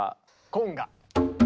コンガ。